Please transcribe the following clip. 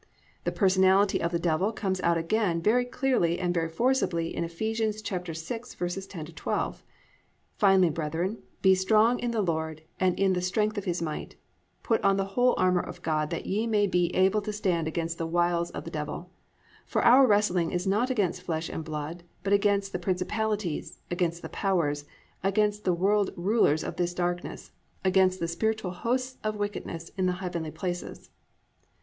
The personality of the Devil comes out again very clearly and very forcibly in Eph. 6:10 12: +"Finally, brethren, be strong in the Lord and the strength of his might. (11) Put on the whole armour of God, that ye may be able to stand against the wiles of the devil. (12) For our wrestling is not against flesh and blood, but against the principalities, against the powers, against the world rulers of this darkness, against the spiritual hosts of wickedness in the heavenly places."